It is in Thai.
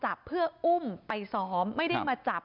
ได้เห็นหน้าครับ